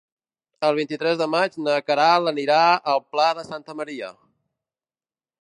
El vint-i-tres de maig na Queralt anirà al Pla de Santa Maria.